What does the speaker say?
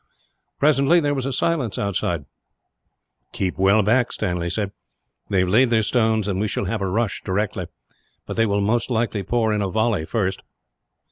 Presently, there was a silence outside. "Keep well back," he said. "They have laid their stones, and we shall have a rush, directly; but they will most likely pour in a volley, first."